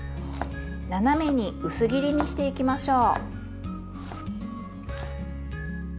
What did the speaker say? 斜めに薄切りにしていきましょう。